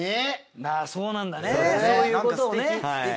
そうなんだねそういうことをね。